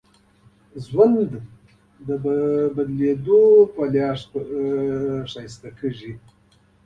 ژوند د بدلون له لارې ښکلی کېږي.